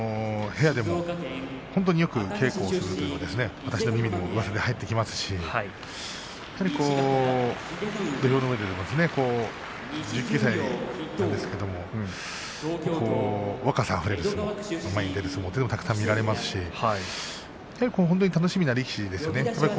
部屋でも本当によく稽古をするというのが私の耳にもうわさで入ってきますし土俵のうえでも１９歳なんですけれども若さあふれる、前に出る相撲がたくさん見られますし楽しみな力士ですよね。